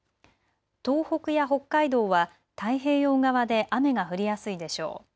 東北や北海道は太平洋側で雨が降りやすいでしょう。